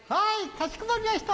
かしこまりました。